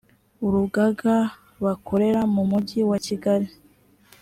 urugaga bakorera mu mujyi wa kigali